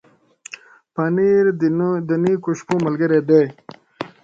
پنېر د نېکو شپو ملګری دی.